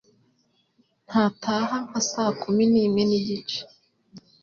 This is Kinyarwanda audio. ntataha nka sa kumi nimwe nigice